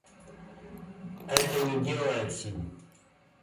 Это не делается.